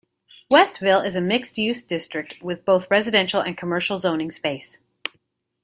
Westville is a mixed-use district, with both residential and commercial zoning space.